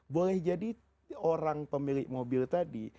boleh jadi orang pemilik mobil tadi